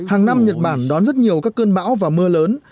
hàng năm nhật bản đón rất nhiều các cơn bão và mưa lớn